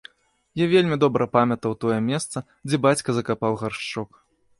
Я вельмі добра памятаў тое месца, дзе бацька закапаў гаршчок.